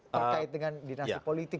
terkait dengan dinasti politik